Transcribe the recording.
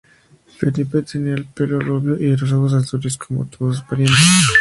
Felipe tenía el pelo rubio y ojos azules, como todos sus parientes.